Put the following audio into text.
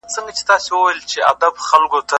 براون وایي چی اقتصادي وده نویو بدلونونو ته اړتیا لري.